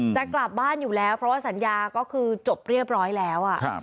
จะกลับบ้านอยู่แล้วเพราะว่าสัญญาก็คือจบเรียบร้อยแล้ว